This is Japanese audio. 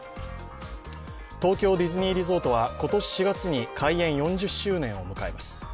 東京ディズニーリゾートは今年４月に開園４０周年を迎えます。